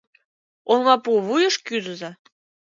Олмапу вуйыш кӱзыза.